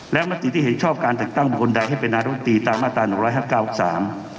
และบัตรีที่เห็นชอบการแต่งตั้งบุคคลใบนานธรรมดีตามมาตา๑๕๙สาม